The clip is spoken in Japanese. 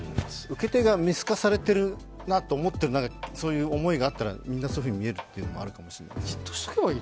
受け手が見透かされてるなという、そういう思いがあったらみんなそういうふうに見えるっていうのもあるかもしれない。